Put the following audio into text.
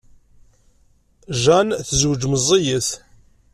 Jane tezweǧ meẓẓiyet.